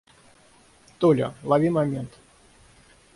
Толя, лови момент.